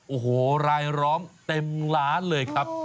โอ้โหรายร้องเต็มล้านเลยครับ